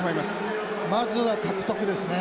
まずは獲得ですね。